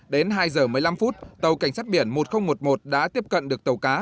đến hai giờ một mươi năm phút tàu cảnh sát biển một nghìn một mươi một đã tiếp cận được tàu cá